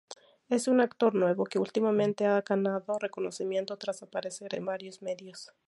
Es un actor nuevo que últimamente ha ganado reconocimiento tras aparecer en varios medios.